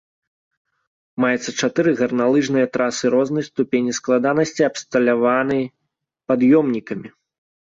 Маецца чатыры гарналыжныя трасы рознай ступені складанасці абсталяваны пад'ёмнікамі.